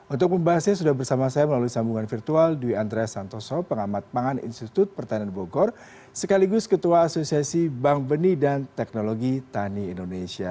untuk pembahasnya sudah bersama saya melalui sambungan virtual dwi andres santoso pengamat pangan institut pertanian bogor sekaligus ketua asosiasi bank beni dan teknologi tani indonesia